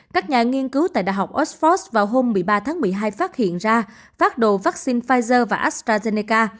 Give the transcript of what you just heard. các nhà nghiên cứu tại đại học oxford vào hôm một mươi ba tháng một mươi hai phát hiện ra phát đồ vaccine pfizer và astrazeneca